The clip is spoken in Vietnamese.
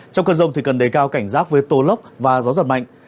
trong cơn rông thì cần đầy cao cảnh rác với tô lốc và gió giật mạnh